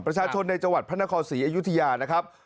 ประชาชนในจังหวัดพระนครศรีอยุธยานะครับ